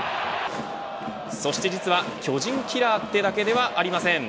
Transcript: そして実は、巨人キラーってだけではありません。